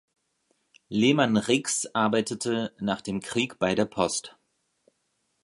Lehman Riggs arbeitete nach dem Krieg bei der Post.